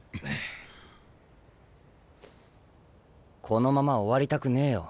このまま終わりたくねえよ